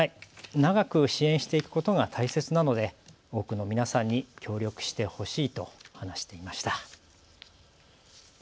長く支援していくことが大切なので多くの皆さんに協力してほしいと話していました。